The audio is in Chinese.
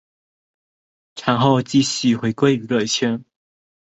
产后继续回归娱乐圈。